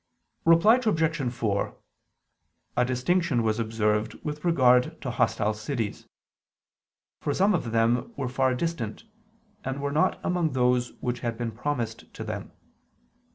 Reply Obj. 4: A distinction was observed with regard to hostile cities. For some of them were far distant, and were not among those which had been promised to them.